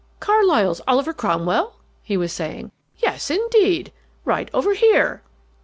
"Carlyle's Oliver Cromwell?" he was saying. "Yes, indeed! Right over here!